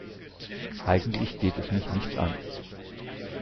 Eigentlich geht es mich nichts an.